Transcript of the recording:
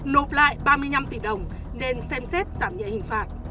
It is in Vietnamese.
nộp lại ba mươi năm tỷ đồng nên xem xét giảm nhẹ hình phạt